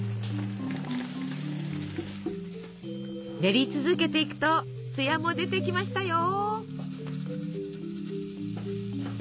練り続けていくとつやも出てきましたよ。